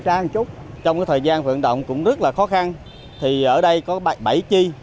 trong thời gian vận động cũng rất là khó khăn thì ở đây có bảy chi